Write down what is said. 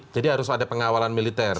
jadi harus ada pengawalan militer